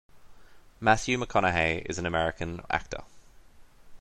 Matthew McConaughey is an American actor.